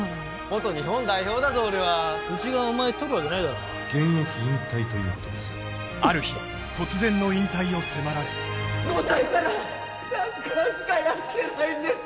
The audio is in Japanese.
元日本代表だぞ俺は☎うちがお前とるわけないだろ現役引退ということですある日５歳からサッカーしかやってないんです